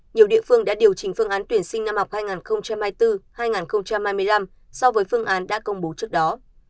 nhiều địa phương đã điều chỉnh phương án tuyển sinh năm học hai nghìn hai mươi bốn hai nghìn hai mươi năm so với phương án đã công bố trước đó